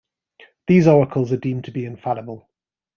These oracles are deemed to be infallible.